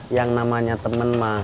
yang namanya temen emak